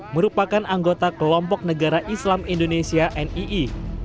merupakan anggota kelompok negara islam indonesia nii